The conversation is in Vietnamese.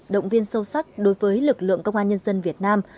động viên sâu sắc đối với lực lượng công an nhân dân việt nam